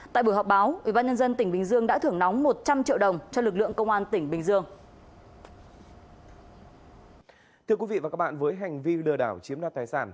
tại buổi họp báo ubnd tỉnh bình dương đã thưởng nóng một trăm linh triệu đồng cho lực lượng công an tỉnh bình dương